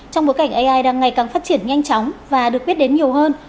trong bối cảnh ai đang ngày càng phát triển nhanh chóng và được biết đến nhiều hơn